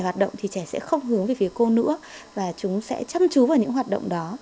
hoạt động thì trẻ sẽ không hướng về phía cô nữa và chúng sẽ chăm chú vào những hoạt động đó